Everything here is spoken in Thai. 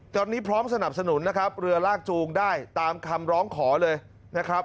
ตอนนี้พร้อมสนับสนุนนะครับเรือลากจูงได้ตามคำร้องขอเลยนะครับ